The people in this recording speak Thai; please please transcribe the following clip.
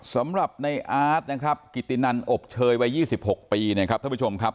สำหรับในอาร์ตนะครับกิตินันอบเชยวัย๒๖ปีนะครับท่านผู้ชมครับ